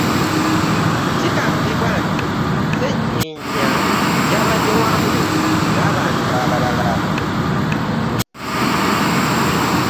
Kigambibwa nti Sseggirinya yabadde wamu n'abantu abalala.